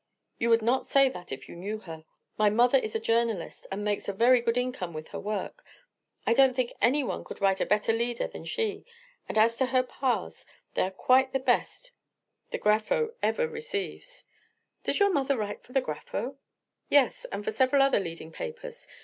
"You would not say that if you knew her. My mother is a journalist, and makes a very good income with her work. I don't think anyone could write a better leader than she, and as to her pars., they are quite the best the Grapho ever receives." "Does your mother write for the Grapho?" "Yes, and for several other leading papers.